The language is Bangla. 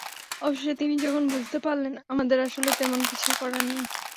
অবশেষে তিনি যখন বুঝতে পারলেন, আমাদের আসলে তেমন কিছুই করার নেই।